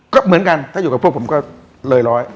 ก็เหมือนกันถ้าอยู่กับพวกผมก็เลยร้อย